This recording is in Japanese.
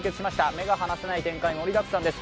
目が離せない展開、盛りだくさんです。